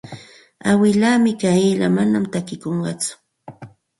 Awilaa Mikayla manam takikunqatsu.